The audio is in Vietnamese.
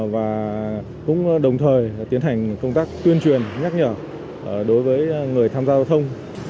và cũng đồng thời tiến hành công tác tuyên truyền nhắc nhở đối với người tham gia giao thông